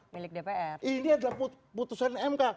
milik dpr ini adalah putusan mk